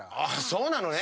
そうなの。